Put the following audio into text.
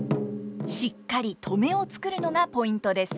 しっかり「止め」を作るのがポイントです。